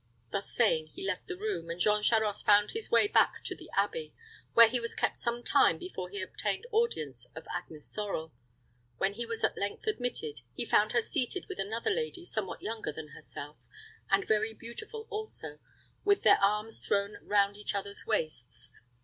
Thus saying, he left the room, and Jean Charost found his way back to the abbey, where he was kept some time before he obtained audience of Agnes Sorel. When he was at length admitted, he found her seated with another lady somewhat younger than herself, and very beautiful also, with their arms thrown round each other's waists.